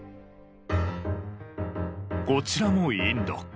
こちらもインド。